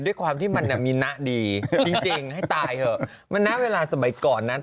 ด้วยความที่มันถามีนะดีจริงจริงให้ตายเหอะมานะเวลาสมัยก่อนน่ะ